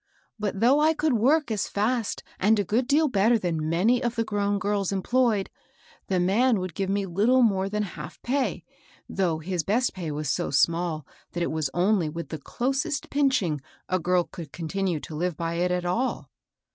But though I could work as fast and a good deal better than many of the grown girls enjployed, the man would give me little more than half pay, though his best pay was sq small that it was only with the closest pinching a girl could continue to live by it at all.